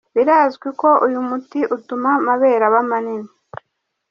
Birazwi ko uyu muti utuma amabere aba manini.